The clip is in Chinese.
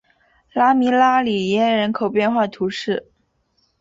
拉米拉里耶人口变化图示